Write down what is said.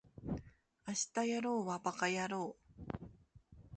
明日やろうはバカやろう